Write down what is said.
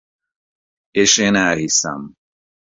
És én elhiszem.